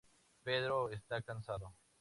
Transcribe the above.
Pedro está cansado.